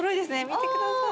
見てください